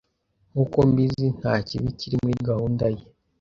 Nkuko mbizi, nta kibi kiri muri gahunda ye.